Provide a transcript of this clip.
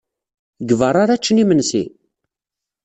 Deg beṛṛa ara ččen imensi?